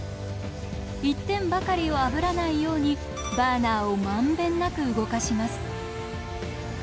一点ばかりをあぶらないようにバーナーをまんべんなく動かします。